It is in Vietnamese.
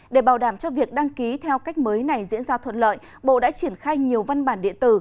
để bảo đảm cho việc đăng ký theo cách mới này diễn ra thuận lợi bộ đã triển khai nhiều văn bản điện tử